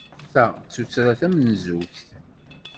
Ta d tuttra tamenzugt?